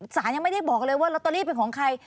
สารยังไม่ได้บอกเลยว่าลอตเตอรี่เป็นของใคร